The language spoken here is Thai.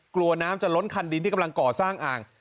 กลัวน้ำจะล้นคันดินที่กำลังก่อสร้างอ่าง